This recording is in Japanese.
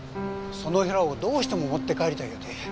そのへらをどうしても持って帰りたい言うて。